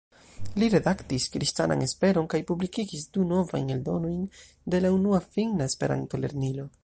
Li redaktis "Kristanan Esperon" kaj publikigis du novajn eldonojn de la unua finna Esperanto-lernilo.